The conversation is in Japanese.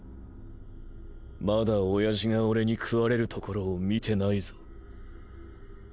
まだ親父がオレに食われるところを見てないぞ。